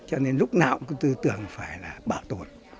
cho nên lúc nào cũng cứ tư tưởng phải là bảo tồn